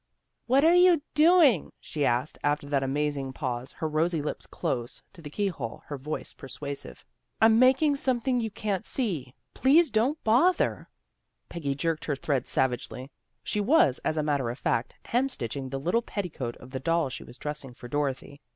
" What you doing? " she asked, after that amazing pause, her rosy lips close to the key hole, her voice persuasive. "I'm making something you can't see. 168 THE GIRLS OF FRIENDLY TERRACE Please don't bother." Peggy jerked her thread savagely. She was, as a matter of fact, hem stitching the little petticoat of the doll she was dressing for Dorothy.